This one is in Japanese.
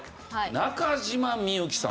中島みゆきさん。